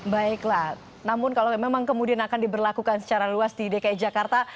baiklah namun kalau memang kemudian akan diberlakukan secara luas di dki jakarta